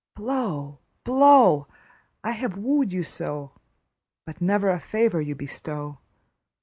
Blow, blow! I have wooed you so, But never a favour you bestow.